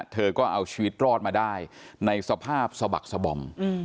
เธอก็เอาชีวิตรอดมาได้ในสภาพสะบักสบอม